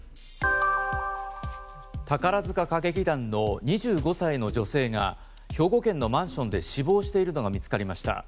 宝塚歌劇団の２５歳の女性が兵庫県のマンションで死亡しているのが見つかりました。